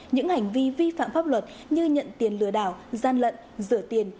những hành vi vi phạm pháp luật như nhận tiền lừa đảo gian lận rửa tiền